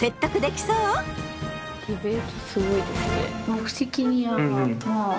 ディベートすごいですね。